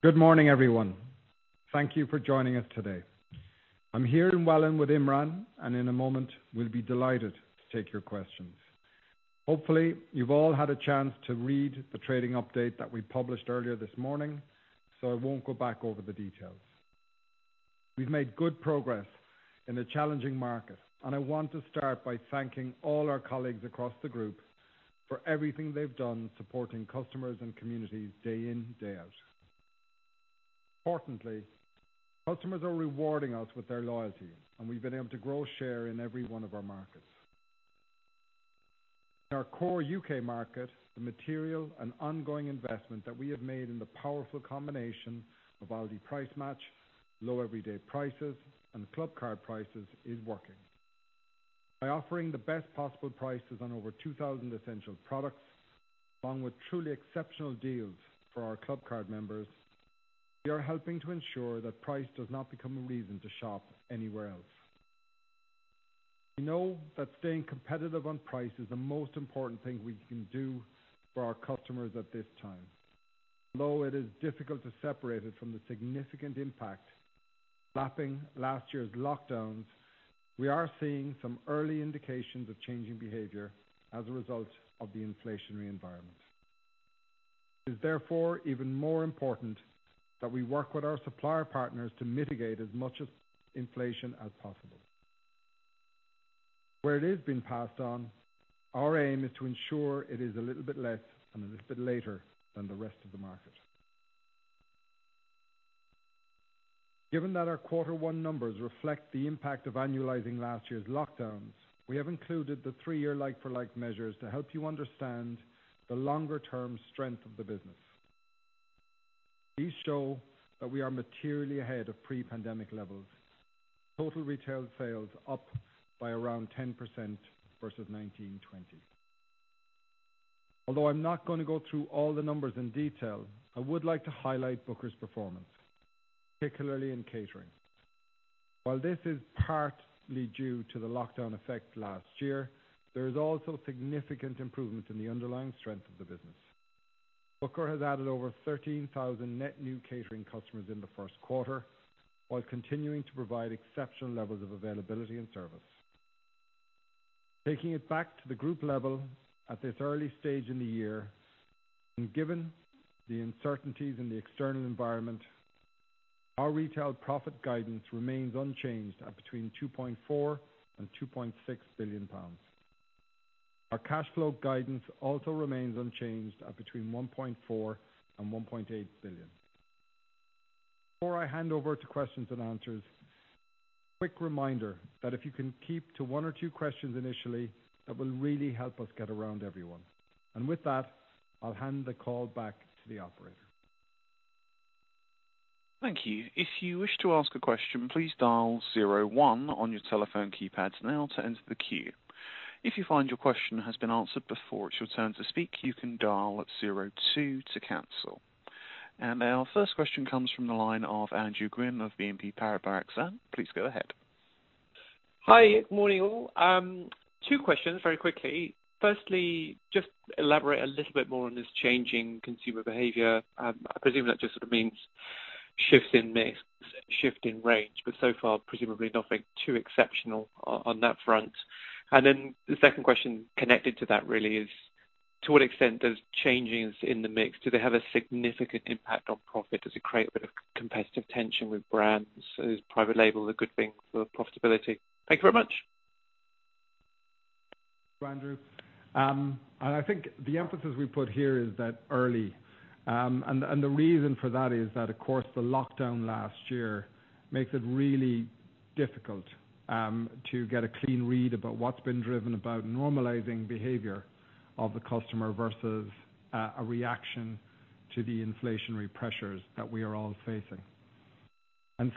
Good morning, everyone. Thank you for joining us today. I'm here in Welwyn with Imran, and in a moment, we'll be delighted to take your questions. Hopefully, you've all had a chance to read the trading update that we published earlier this morning, so I won't go back over the details. We've made good progress in a challenging market, and I want to start by thanking all our colleagues across the group for everything they've done supporting customers and communities day in, day out. Importantly, customers are rewarding us with their loyalty, and we've been able to grow share in every one of our markets. In our core U.K. market, the material and ongoing investment that we have made in the powerful combination of Aldi Price Match, low everyday prices, and Clubcard Prices is working. By offering the best possible prices on over 2,000 essential products, along with truly exceptional deals for our Clubcard members, we are helping to ensure that price does not become a reason to shop anywhere else. We know that staying competitive on price is the most important thing we can do for our customers at this time. Although it is difficult to separate it from the significant impact lapping last year's lockdowns, we are seeing some early indications of changing behavior as a result of the inflationary environment. It is therefore even more important that we work with our supplier partners to mitigate as much as inflation as possible. Where it is being passed on, our aim is to ensure it is a little bit less and a little bit later than the rest of the market. Given that our quarter one numbers reflect the impact of annualizing last year's lockdowns, we have included the three-year like-for-like measures to help you understand the longer term strength of the business. These show that we are materially ahead of pre-pandemic levels. Total retail sales up by around 10% versus 2019-20. Although I'm not gonna go through all the numbers in detail, I would like to highlight Booker's performance, particularly in catering. While this is partly due to the lockdown effect last year, there is also significant improvement in the underlying strength of the business. Booker has added over 13,000 net new catering customers in the first quarter while continuing to provide exceptional levels of availability and service. Taking it back to the group level at this early stage in the year, and given the uncertainties in the external environment, our retail profit guidance remains unchanged at between 2.4 billion and 2.6 billion pounds. Our cash flow guidance also remains unchanged at between 1.4 billion and 1.8 billion. Before I hand over to questions and answers, quick reminder that if you can keep to one or two questions initially, that will really help us get around everyone. With that, I'll hand the call back to the operator. Thank you. If you wish to ask a question, please dial zero one on your telephone keypads now to enter the queue. If you find your question has been answered before it's your turn to speak, you can dial zero two to cancel. Our first question comes from the line of Andrew Gwynn of BNP Paribas. Please go ahead. Hi. Good morning, all. Two questions very quickly. Firstly, just elaborate a little bit more on this changing consumer behavior. I presume that just sort of means shift in mix, shift in range, but so far presumably nothing too exceptional on that front. Then the second question connected to that really is to what extent those changes in the mix, do they have a significant impact on profit? Does it create a bit of competitive tension with brands? Is private label a good thing for profitability? Thank you very much. Andrew. I think the emphasis we put here is that early. The reason for that is that, of course, the lockdown last year makes it really difficult to get a clean read about what's been driving the normalizing behavior of the customer versus a reaction to the inflationary pressures that we are all facing.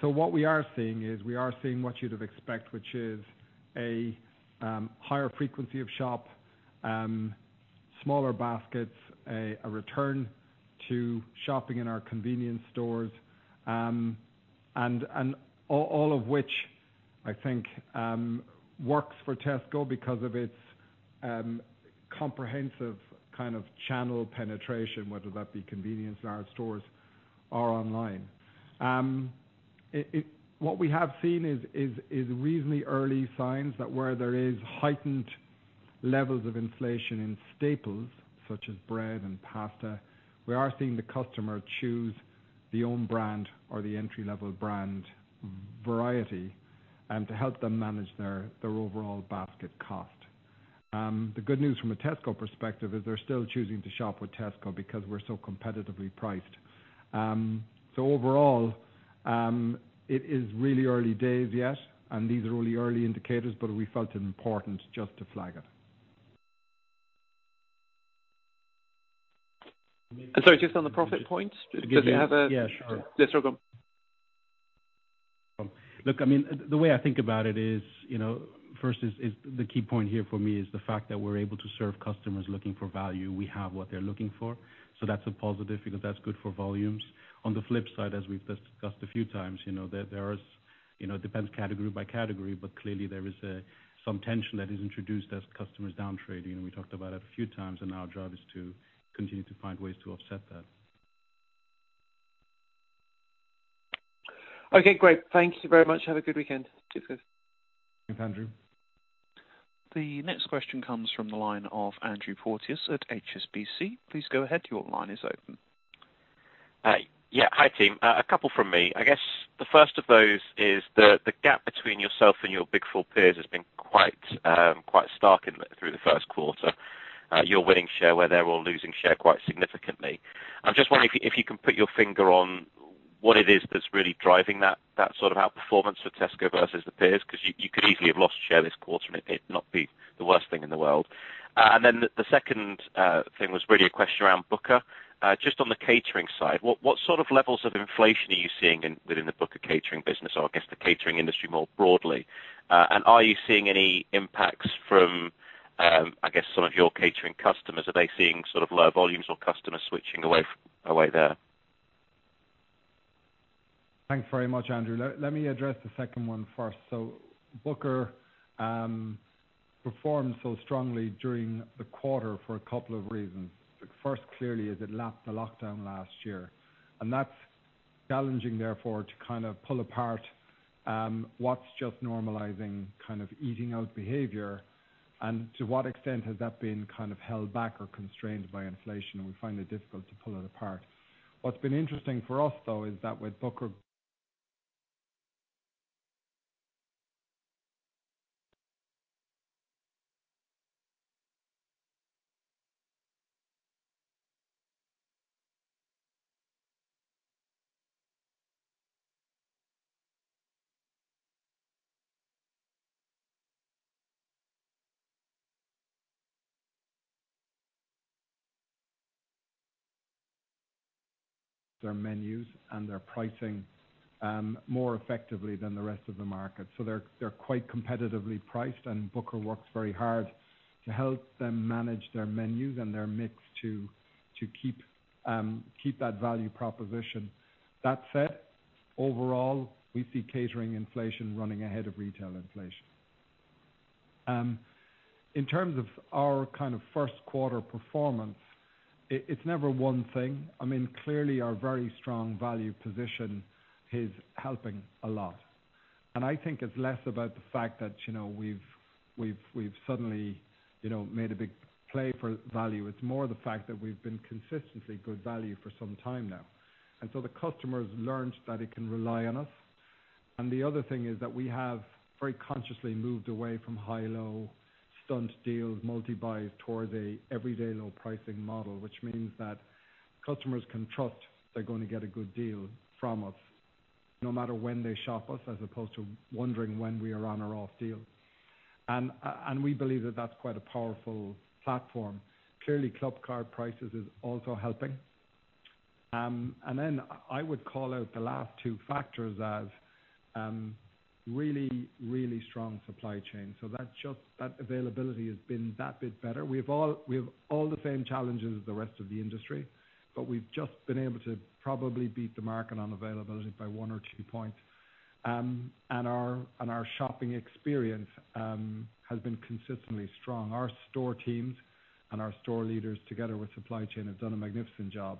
What we are seeing is what you'd expect, which is a higher frequency of shopping, smaller baskets, a return to shopping in our convenience stores, and all of which I think works for Tesco because of its comprehensive kind of channel penetration, whether that be convenience in our stores or online. What we have seen is reasonably early signs that where there is heightened levels of inflation in staples such as bread and pasta, we are seeing the customer choose the own brand or the entry-level brand variety, and to help them manage their overall basket cost. The good news from a Tesco perspective is they're still choosing to shop with Tesco because we're so competitively priced. Overall, it is really early days yet, and these are only early indicators, but we felt it important just to flag it. Sorry, just on the profit points. Do you have? Yeah, sure. Yes, sure. Go on. Look, I mean, the way I think about it is, you know, first is the key point here for me is the fact that we're able to serve customers looking for value. We have what they're looking for. So that's a positive because that's good for volumes. On the flip side, as we've discussed a few times, you know, there is. You know, depends category by category, but clearly there is some tension that is introduced as customers down trade. You know, we talked about it a few times, and our job is to continue to find ways to offset that. Okay, great. Thank you very much. Have a good weekend. Cheers guys. Thanks, Andrew. The next question comes from the line of Andrew Porteous at HSBC. Please go ahead. Your line is open. Yeah. Hi, team. A couple from me. I guess the first of those is the gap between yourself and your big four peers has been quite stark in through the first quarter. You're winning share where they're all losing share quite significantly. I'm just wondering if you can put your finger on what it is that's really driving that sort of outperformance for Tesco versus the peers, 'cause you could easily have lost share this quarter and it'd not be the worst thing in the world. The second thing was really a question around Booker. Just on the catering side, what sort of levels of inflation are you seeing within the Booker catering business or I guess the catering industry more broadly? Are you seeing any impacts from, I guess, some of your catering customers? Are they seeing sort of lower volumes or customers switching away there? Thanks very much, Andrew. Let me address the second one first. Booker performed so strongly during the quarter for a couple of reasons. The first clearly is it lapped the lockdown last year, and that's challenging therefore to kind of pull apart what's just normalizing, kind of easing out behavior, and to what extent has that been kind of held back or constrained by inflation. We find it difficult to pull it apart. What's been interesting for us though is that with Booker their menus and their pricing more effectively than the rest of the market. They're quite competitively priced, and Booker works very hard to help them manage their menus and their mix to keep that value proposition. That said, overall, we see catering inflation running ahead of retail inflation. In terms of our kind of first quarter performance, it's never one thing. I mean, clearly our very strong value position is helping a lot. I think it's less about the fact that, you know, we've suddenly, you know, made a big play for value. It's more the fact that we've been consistently good value for some time now. The customers learned that it can rely on us. The other thing is that we have very consciously moved away from high-low stunt deals, multi-buys towards an everyday low pricing model. Which means that customers can trust they're gonna get a good deal from us no matter when they shop us as opposed to wondering when we are on or off deal. We believe that that's quite a powerful platform. Clearly, Clubcard Prices is also helping. I would call out the last two factors as really, really strong supply chain. That's just that availability has been that bit better. We have all the same challenges as the rest of the industry, but we've just been able to probably beat the market on availability by one or two points. Our shopping experience has been consistently strong. Our store teams and our store leaders together with supply chain have done a magnificent job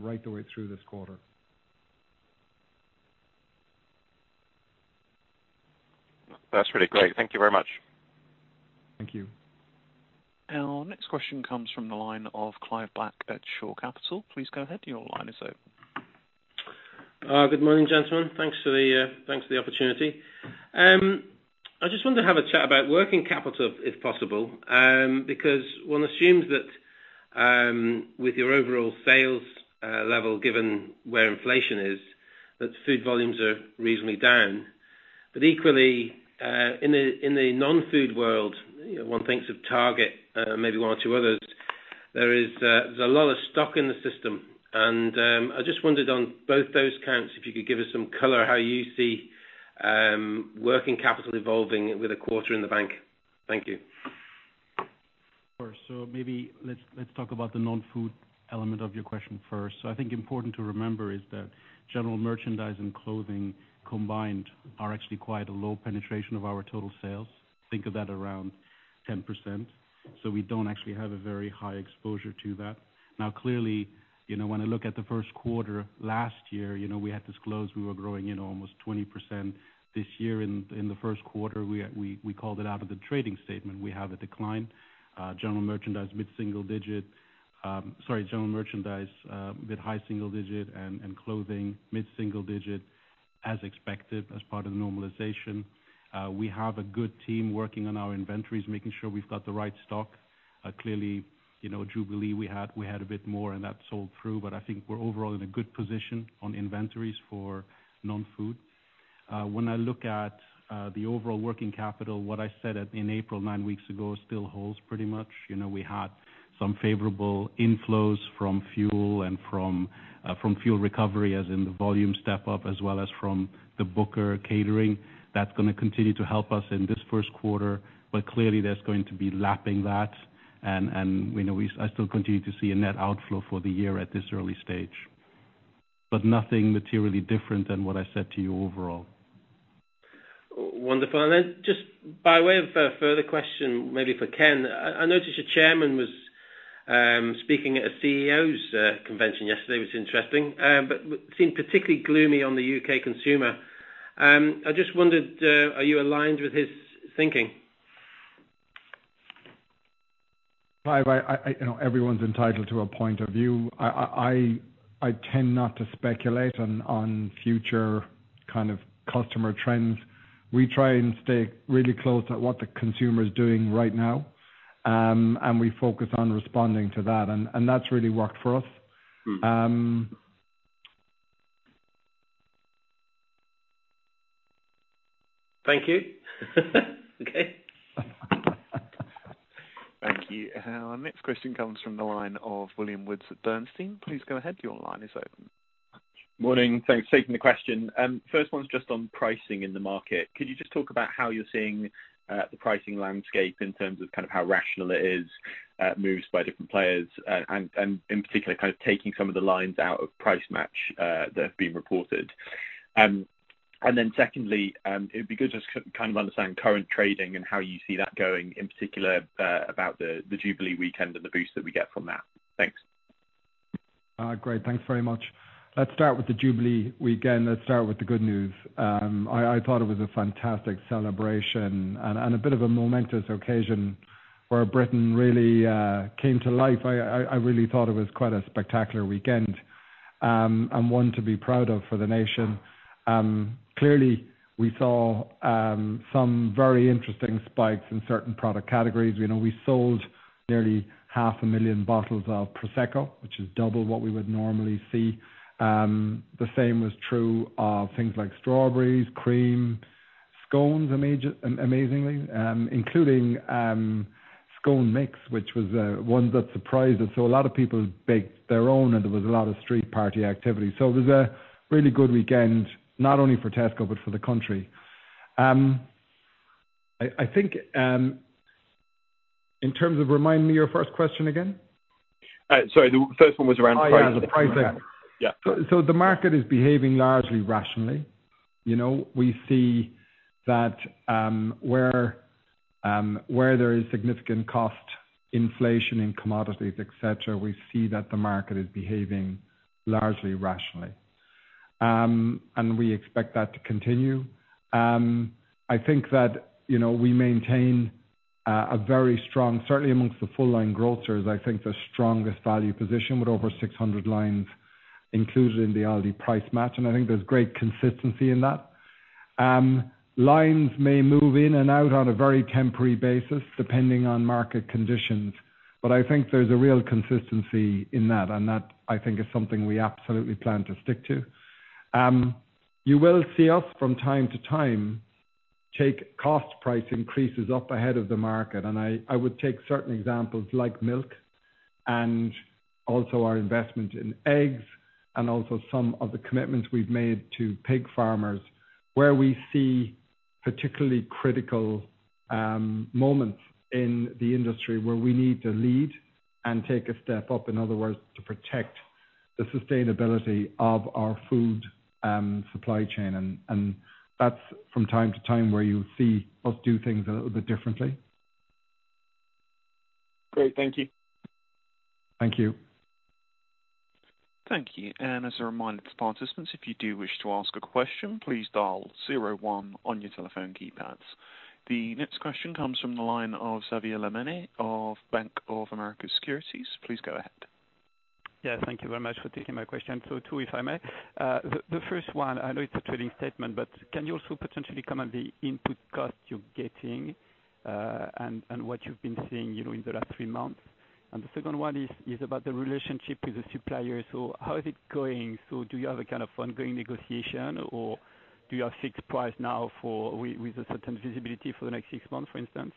right the way through this quarter. That's really great. Thank you very much. Thank you. Our next question comes from the line of Clive Black at Shore Capital. Please go ahead. Your line is open. Good morning, gentlemen. Thanks for the opportunity. I just wanted to have a chat about working capital, if possible, because one assumes that with your overall sales level, given where inflation is, that food volumes are reasonably down. Equally, in the non-food world, one thinks of Target, maybe one or two others. There's a lot of stock in the system, and I just wondered on both those counts, if you could give us some color how you see working capital evolving with a quarter in the bank. Thank you. Of course. Maybe let's talk about the non-food element of your question first. I think important to remember is that general merchandise and clothing combined are actually quite a low penetration of our total sales. Think of that around 10%. We don't actually have a very high exposure to that. Now, clearly, you know, when I look at the first quarter last year, you know, we had disclosed we were growing, you know, almost 20%. This year in the first quarter, we called it out of the trading statement. We have a decline, general merchandise, mid-single digit. Sorry, general merchandise, mid high single digit and clothing mid-single digit as expected as part of the normalization. We have a good team working on our inventories, making sure we've got the right stock. Clearly, you know, Jubilee, we had a bit more and that sold through, but I think we're overall in a good position on inventories for non-food. When I look at the overall working capital, what I said in April, nine weeks ago, still holds pretty much. You know, we had some favorable inflows from fuel and from fuel recovery, as in the volume step-up, as well as from the Booker catering. That's gonna continue to help us in this first quarter, but clearly there's going to be lapping that. I still continue to see a net outflow for the year at this early stage. Nothing materially different than what I said to you overall. Wonderful. Just by way of a further question, maybe for Ken. I noticed your chairman was speaking at a CEOs' convention yesterday, which was interesting. Seemed particularly gloomy on the UK consumer. I just wondered, are you aligned with his thinking? Clive, you know, everyone's entitled to a point of view. I tend not to speculate on future kind of customer trends. We try and stay really close to what the consumer is doing right now. We focus on responding to that, and that's really worked for us. Thank you. Okay. Thank you. Our next question comes from the line of William Woods at Bernstein. Please go ahead. Your line is open. Morning. Thanks for taking the question. First one's just on pricing in the market. Could you just talk about how you're seeing the pricing landscape in terms of kind of how rational it is, moves by different players, and particularly kind of taking some of the lines out of price match that have been reported? And then secondly, it'd be good just to kind of understand current trading and how you see that going, in particular about the Jubilee weekend and the boost that we get from that. Thanks. Great. Thanks very much. Let's start with the Jubilee weekend. Let's start with the good news. I thought it was a fantastic celebration and a bit of a momentous occasion where Britain really came to life. I really thought it was quite a spectacular weekend, and one to be proud of for the nation. Clearly we saw some very interesting spikes in certain product categories. You know, we sold nearly half a million bottles of Prosecco, which is double what we would normally see. The same was true of things like strawberries, cream, scones amazingly, including scone mix, which was one that surprised us. A lot of people baked their own, and there was a lot of street party activity. It was a really good weekend, not only for Tesco, but for the country. I think. Remind me your first question again. Sorry. The first one was around pricing. Oh, yeah. The pricing. Yeah. The market is behaving largely rationally. You know, we see that where there is significant cost inflation in commodities, et cetera, we see that the market is behaving largely rationally. We expect that to continue. I think that, you know, we maintain a very strong, certainly amongst the full line grocers, I think the strongest value position with over 600 lines included in the Aldi Price Match, and I think there's great consistency in that. Lines may move in and out on a very temporary basis, depending on market conditions. I think there's a real consistency in that, and that I think is something we absolutely plan to stick to. You will see us from time to time take cost price increases up ahead of the market. I would take certain examples like milk and also our investment in eggs and also some of the commitments we've made to pig farmers, where we see particularly critical moments in the industry where we need to lead and take a step up, in other words, to protect the sustainability of our food supply chain. That's from time to time where you'll see us do things a little bit differently. Great. Thank you. Thank you. Thank you. As a reminder to participants, if you do wish to ask a question, please dial zero one on your telephone keypads. The next question comes from the line of Xavier Le Mené of Bank of America Securities. Please go ahead. Thank you very much for taking my question. Two, if I may. The first one, I know it's a trading statement, but can you also potentially comment the input cost you're getting, and what you've been seeing, you know, in the last three months? The second one is about the relationship with the suppliers. How is it going? Do you have a kind of ongoing negotiation or do you have fixed price now with a certain visibility for the next six months, for instance?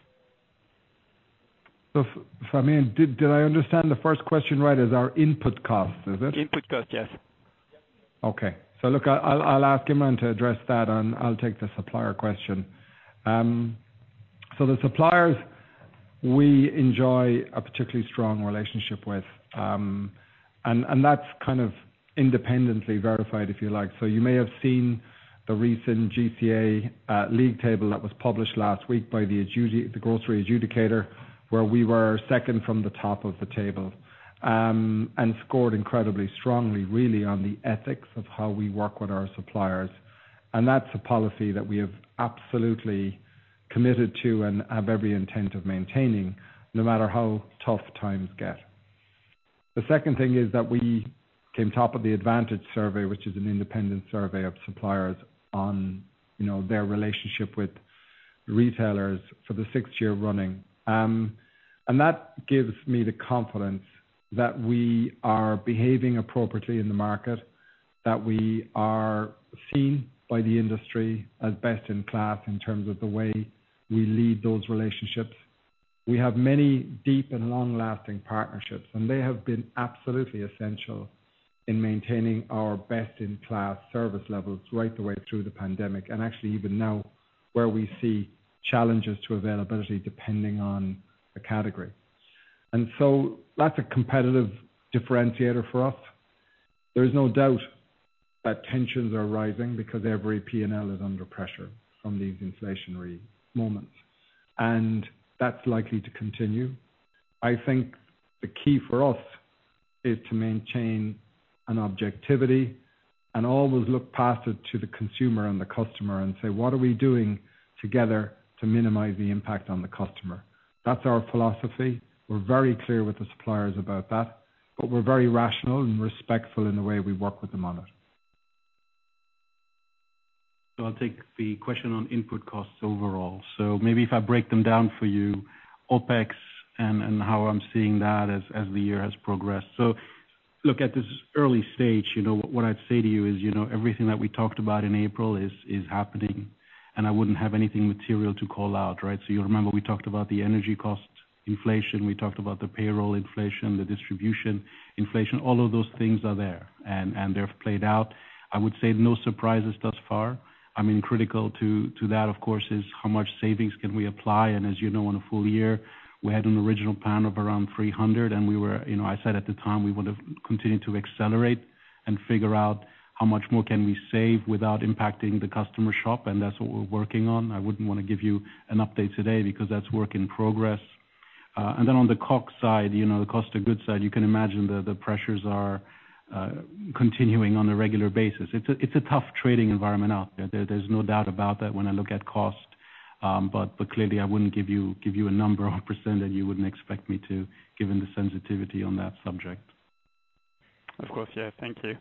If I may, did I understand the first question right as our input cost, is it? Input cost, yes. Okay. Look, I'll ask Imran to address that, and I'll take the supplier question. The suppliers we enjoy a particularly strong relationship with. That's kind of independently verified, if you like. You may have seen the recent GCA league table that was published last week by the Groceries Code Adjudicator, where we were second from the top of the table and scored incredibly strongly really on the ethics of how we work with our suppliers. That's a policy that we have absolutely committed to and have every intent of maintaining, no matter how tough times get. The second thing is that we came top of the Advantage survey, which is an independent survey of suppliers on, you know, their relationship with retailers for the sixth year running. That gives me the confidence that we are behaving appropriately in the market, that we are seen by the industry as best in class in terms of the way we lead those relationships. We have many deep and long-lasting partnerships, and they have been absolutely essential in maintaining our best in class service levels right the way through the pandemic, and actually even now, where we see challenges to availability depending on the category. That's a competitive differentiator for us. There is no doubt that tensions are rising because every P&L is under pressure from these inflationary moments, and that's likely to continue. I think the key for us is to maintain an objectivity and always look past it to the consumer and the customer and say, "What are we doing together to minimize the impact on the customer?" That's our philosophy. We're very clear with the suppliers about that, but we're very rational and respectful in the way we work with them on it. I'll take the question on input costs overall. Maybe if I break them down for you, OpEx and how I'm seeing that as the year has progressed. Look at this early stage, you know, what I'd say to you is, you know, everything that we talked about in April is happening, and I wouldn't have anything material to call out, right? You remember we talked about the energy cost inflation, we talked about the payroll inflation, the distribution inflation, all of those things are there, and they've played out. I would say no surprises thus far. I mean, critical to that, of course, is how much savings can we apply? As you know, on a full year, we had an original plan of around 300, and we were, you know, I said at the time, we would have continued to accelerate and figure out how much more can we save without impacting the customer shop, and that's what we're working on. I wouldn't wanna give you an update today because that's work in progress. On the COGS side, you know, the cost of goods side, you can imagine the pressures are continuing on a regular basis. It's a tough trading environment out there. There's no doubt about that when I look at cost, but clearly I wouldn't give you a number or a percentage you wouldn't expect me to, given the sensitivity on that subject. Of course. Yeah. Thank you.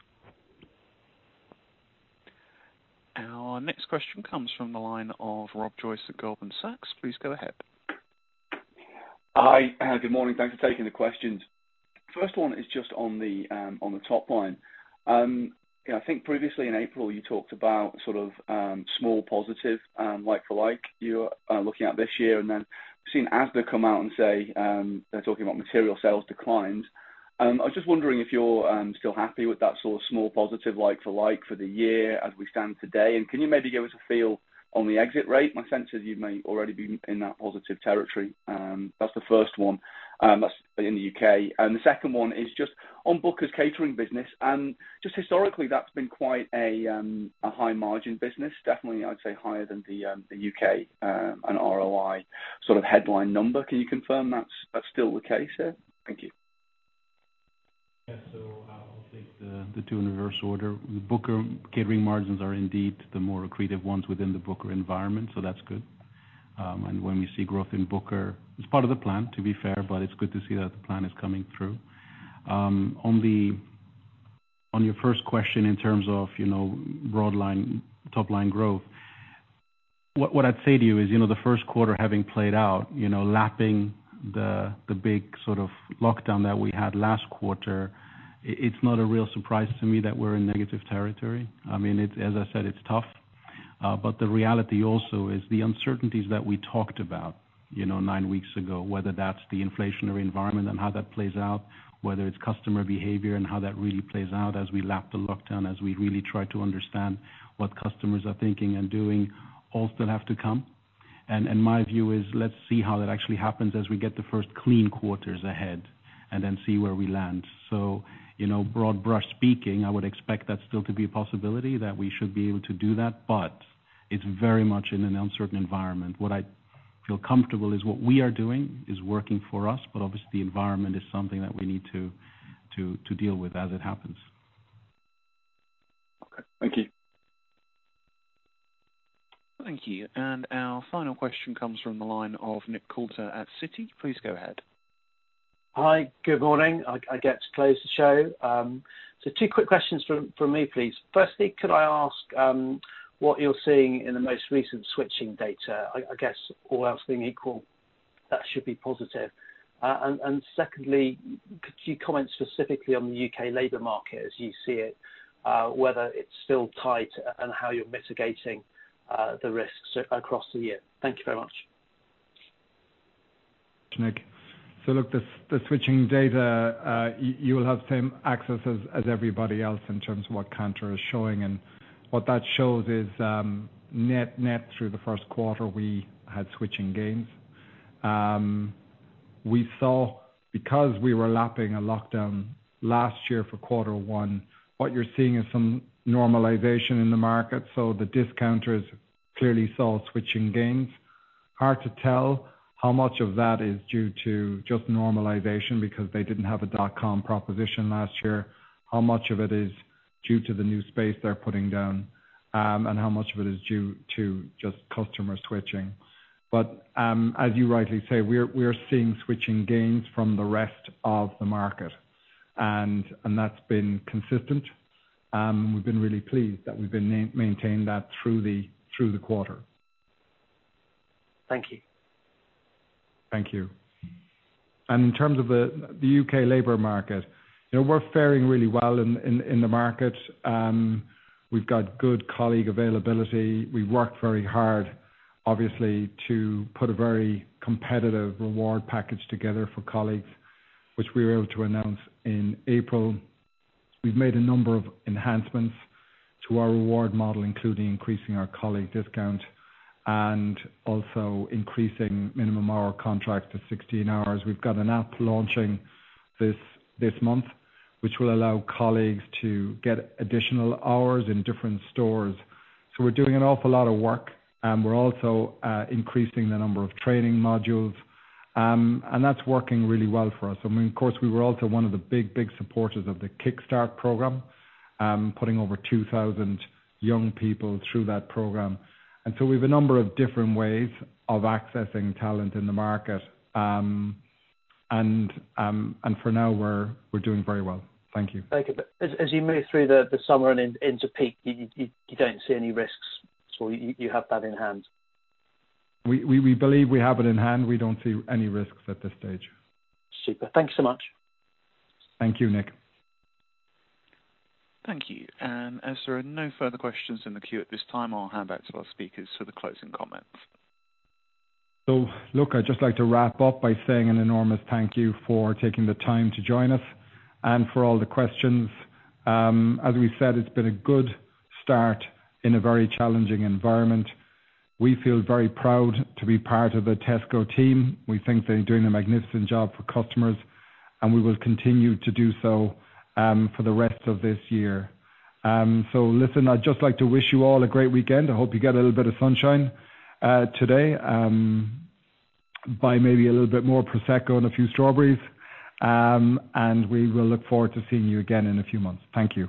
Our next question comes from the line of Rob Joyce at Goldman Sachs. Please go ahead. Hi. Good morning. Thanks for taking the questions. First one is just on the top line. You know, I think previously in April, you talked about sort of small positive like-for-like you're looking at this year, and then we've seen Asda come out and say, they're talking about material sales declines. I was just wondering if you're still happy with that sort of small positive like-for-like for the year as we stand today. Can you maybe give us a feel on the exit rate? My sense is you may already be in that positive territory. That's the first one. That's in the UK. The second one is just on Booker's catering business. Just historically, that's been quite a high margin business. Definitely, I'd say higher than the UK and ROI sort of headline number. Can you confirm that's still the case there? Thank you. Yeah. I'll take the two in reverse order. The Booker catering margins are indeed the more accretive ones within the Booker environment, so that's good. When we see growth in Booker, it's part of the plan to be fair, but it's good to see that the plan is coming through. On your first question in terms of, you know, broadline, top line growth, what I'd say to you is, you know, the first quarter having played out, you know, lapping the big sort of lockdown that we had last quarter, it's not a real surprise to me that we're in negative territory. I mean, it's, as I said, it's tough. The reality also is the uncertainties that we talked about, you know, nine weeks ago, whether that's the inflationary environment and how that plays out, whether it's customer behavior and how that really plays out as we lap the lockdown, as we really try to understand what customers are thinking and doing, all still have to come. My view is let's see how that actually happens as we get the first clean quarters ahead and then see where we land. You know, broad brush speaking, I would expect that still to be a possibility that we should be able to do that, but it's very much in an uncertain environment. What I feel comfortable is what we are doing is working for us, but obviously the environment is something that we need to deal with as it happens. Okay. Thank you. Thank you. Our final question comes from the line of Nick Coulter at Citi. Please go ahead. Hi. Good morning. I get to close the show. Two quick questions from me, please. Firstly, could I ask what you're seeing in the most recent switching data? I guess all else being equal, that should be positive. Secondly, could you comment specifically on the UK labor market as you see it, whether it's still tight and how you're mitigating the risks across the year? Thank you very much. Nick, look, the switching data, you'll have same access as everybody else in terms of what Kantar is showing. What that shows is net through the first quarter, we had switching gains. We saw, because we were lapping a lockdown last year for quarter one, what you're seeing is some normalization in the market. The discounters clearly saw switching gains. Hard to tell how much of that is due to just normalization because they didn't have a dotcom proposition last year, how much of it is due to the new space they're putting down, and how much of it is due to just customer switching. As you rightly say, we're seeing switching gains from the rest of the market and that's been consistent, and we've been really pleased that we've been maintaining that through the quarter. Thank you. Thank you. In terms of the U.K. labor market, you know, we're faring really well in the market. We've got good colleague availability. We worked very hard, obviously, to put a very competitive reward package together for colleagues, which we were able to announce in April. We've made a number of enhancements to our reward model, including increasing our colleague discount and also increasing minimum hour contract to 16 hours. We've got an app launching this month, which will allow colleagues to get additional hours in different stores. We're doing an awful lot of work, and we're also increasing the number of training modules, and that's working really well for us. I mean, of course, we were also one of the big supporters of the Kickstart program, putting over 2,000 young people through that program. We've a number of different ways of accessing talent in the market. For now, we're doing very well. Thank you. Thank you. As you move through the summer and into peak, you don't see any risks? You have that in hand. We believe we have it in hand. We don't see any risks at this stage. Super. Thanks so much. Thank you, Nick. Thank you. As there are no further questions in the queue at this time, I'll hand back to our speakers for the closing comments. Look, I'd just like to wrap up by saying an enormous thank you for taking the time to join us and for all the questions. As we said, it's been a good start in a very challenging environment. We feel very proud to be part of the Tesco team. We think they're doing a magnificent job for customers, and we will continue to do so for the rest of this year. Listen, I'd just like to wish you all a great weekend. I hope you get a little bit of sunshine today. Buy maybe a little bit more Prosecco and a few strawberries, and we will look forward to seeing you again in a few months. Thank you.